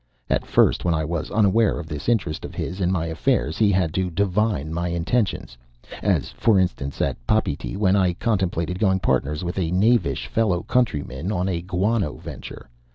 At first, when I was unaware of this interest of his in my affairs, he had to divine my intentions, as, for instance, at Papeete, when I contemplated going partners with a knavish fellow countryman on a guano venture.